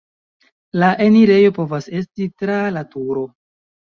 La enirejo povas esti tra la turo.